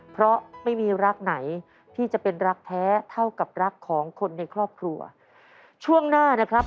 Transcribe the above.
เพราะไม่มีรักไหนที่จะเป็นรักแท้เท่ากับรักของคนในครอบครัวช่วงหน้านะครับ